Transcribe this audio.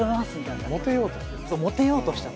モテようとしてる。